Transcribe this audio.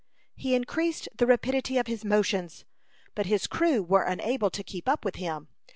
He increased the rapidity of his motions, but his crew were unable to keep up with him.